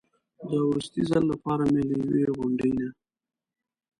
د وروستي ځل لپاره مې له یوې غونډۍ نه.